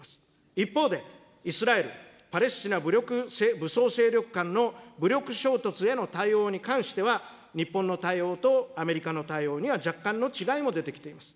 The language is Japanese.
一方で、イスラエル・パレスチナ武装勢力間の武力衝突への対応に関しては、日本の対応とアメリカの対応には若干の違いも出てきています。